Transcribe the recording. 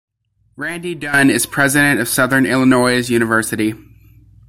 Randy Dunn is President of Southern Illinois University.